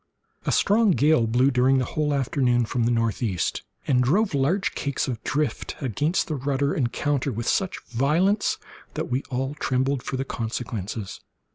A strong gale blew, during the whole forenoon, from the northeast, and drove large cakes of the drift against the rudder and counter with such violence that we all trembled for the consequences.